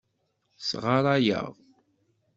Sɣaṛayeɣ.